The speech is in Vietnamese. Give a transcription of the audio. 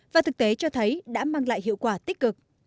và thực tế cho thấy đã mang lại hiệu quả tích cực